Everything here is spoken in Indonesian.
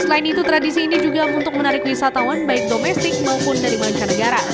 selain itu tradisi ini juga untuk menarik wisatawan baik domestik maupun dari mancanegara